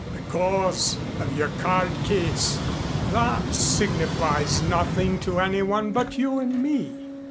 "Because of your card case." "That signifies nothing to anyone but you and me."